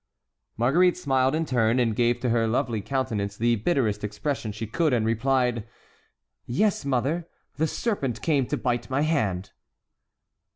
Marguerite smiled in turn, and gave to her lovely countenance the bitterest expression she could, and replied: "Yes, mother; the serpent came to bite my hand!"